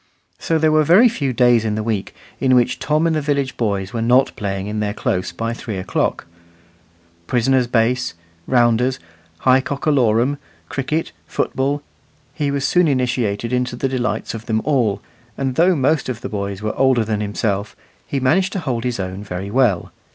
So there were very few days in the week in which Tom and the village boys were not playing in their close by three o'clock. Prisoner's base, rounders, high cock a lorum, cricket, football he was soon initiated into the delights of them all; and though most of the boys were older than himself, he managed to hold his own very well.